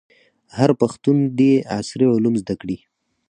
هر پښتون دي عصري علوم زده کړي.